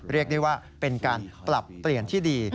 เรียกได้ว่าเป็นการปรับเปลี่ยนที่ดี